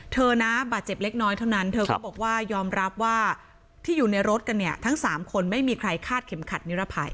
เธอนะบาดเจ็บเล็กน้อยเท่านั้นเธอก็บอกว่ายอมรับว่าที่อยู่ในรถกันเนี่ยทั้ง๓คนไม่มีใครคาดเข็มขัดนิรภัย